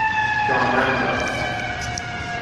دامن داشت